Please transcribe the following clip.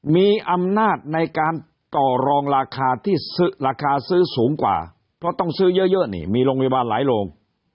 มีอำนาจในการต่อรองราคาที่ราคาซื้อสูงกว่าเพราะต้องซื้อเยอะนี่มีโรงพยาบาลหลายโรง